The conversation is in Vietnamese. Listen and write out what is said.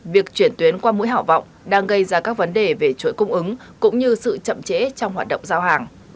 việc chuyển tuyến qua mũi hảo vọng đang gây ra các vấn đề về chuỗi cung ứng cũng như sự chậm trễ trong hoạt động giao hàng